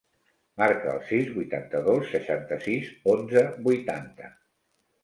Marca el sis, vuitanta-dos, seixanta-sis, onze, vuitanta.